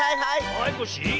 はいコッシー。